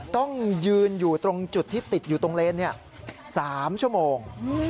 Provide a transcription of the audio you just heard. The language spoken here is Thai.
ต้องยืนอยู่ตรงจุดที่ติดอยู่ตรงเลน๓ชั่วโมง